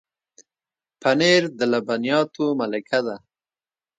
پنېر د لبنیاتو ملکه ده.